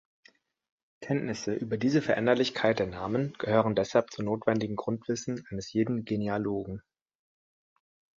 Kenntnisse über diese Veränderlichkeit der Namen gehören deshalb zum notwendigen Grundwissen eines jeden Genealogen.